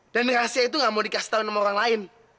dan rahasia itu gak mau dikasih tau sama orang lain